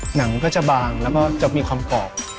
หนังก็จะบางแล้วก็จะมีความกรอบ